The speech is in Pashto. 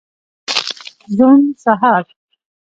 روڼ سهار